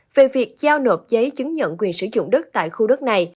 về việc giao nộp giấy chứng nhận quyền sử dụng đất tại khu đất này